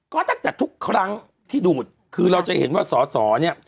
ก็ตั้งแต่ทุกครั้งที่ดูดคือเราจะเห็นว่าสอสอเนี่ย